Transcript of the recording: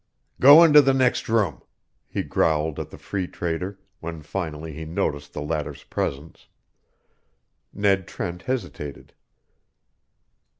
"Go into the next room," he growled at the Free Trader, when finally he noticed the latter's presence. Ned Trent hesitated.